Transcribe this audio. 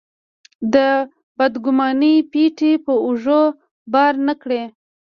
د بدګمانۍ پېټی په اوږو بار نه کړي.